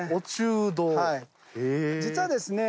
実はですね